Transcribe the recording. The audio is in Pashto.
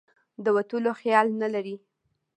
د وتلو خیال نه لري.